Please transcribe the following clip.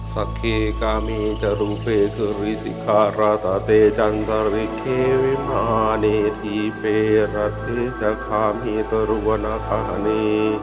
สักเคกามีจรุเฟคฤษิคาราตเตจันทริเควิมาเนทีเพราะเทศคามีตรุวนาคาเน